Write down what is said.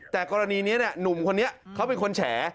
แต่กรณีนี้หนุ่มคนนี้เขาเป็นคนแฉ